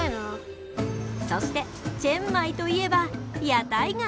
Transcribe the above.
そしてチェンマイといえば屋台街。